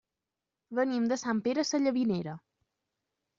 Venim de Sant Pere Sallavinera.